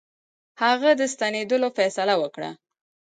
هغه د ستنېدلو فیصله وکړه.